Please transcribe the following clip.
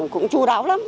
cũng chú đáo lắm